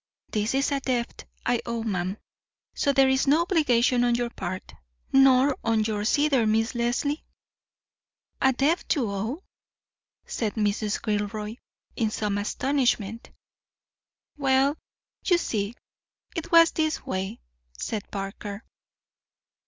This is a debt I owe, ma'am; so there's no obligation on your part, nor on yours either, Miss Leslie." "A debt you owe?" said Mrs. Gilroy, in some astonishment. "Well, you see, it was this way," said Parker.